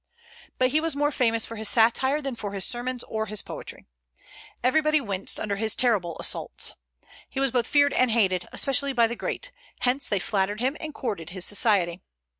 But he was more famous for his satire than for his sermons or his poetry. Everybody winced under his terrible assaults. He was both feared and hated, especially by the "great;" hence they flattered him and courted his society.